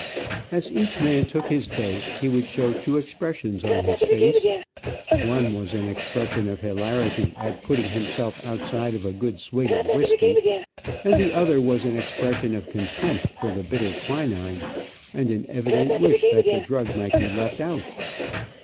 As each man took his dose, he would show two expressions on his face. One was an expression of hilarity at putting himself outside of a good swig of whisky, and the other was an expression of contempt for the bitter quinine, and an evident wish that the drug might be left out.